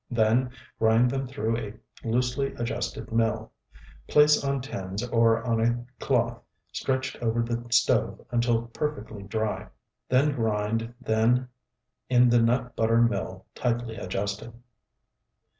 Then grind them through a loosely adjusted mill. Place on tins or on a cloth stretched over the stove until perfectly dry. Then grind then in the nut butter mill tightly adjusted.